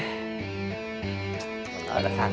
gak ada kata ya ini